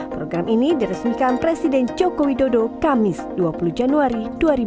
program ini diresmikan presiden joko widodo kamis dua puluh januari dua ribu dua puluh